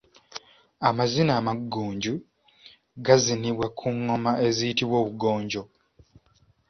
Amazina Amaggunju gazinibwa ku ngoma eziyitibwa Obugonjo.